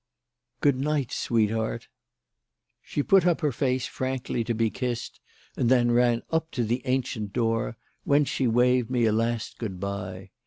"Good night, sweetheart." She put up her face frankly to be kissed and then ran up to the ancient door; whence she waved me a last good bye.